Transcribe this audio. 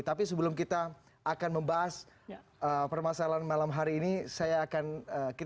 tapi sebelum kita akan membahas permasalahan malam hari ini